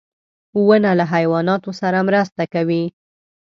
• ونه له حیواناتو سره مرسته کوي.